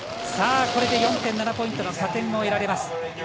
これで４．７ポイントの加点を得られます。